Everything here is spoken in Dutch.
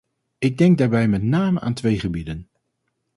Ik denk daarbij met name aan twee gebieden.